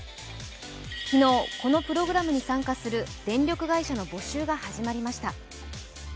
昨日、このプログラムに参加する電力会社の募集が始まりました。